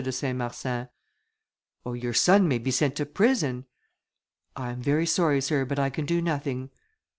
de Saint Marsin. "Oh, your son may be sent to prison." "I am very sorry, Sir, but I can do nothing."